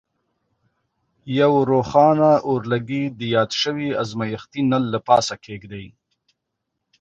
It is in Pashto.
یو روښانه اورلګیت د یاد شوي ازمیښتي نل له پاسه کیږدئ.